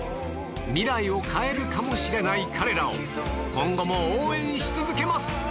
未来を変えるかもしれない彼らを今後も応援し続けます！